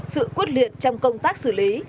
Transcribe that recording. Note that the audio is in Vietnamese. sự quất liệt trong công tác xử lý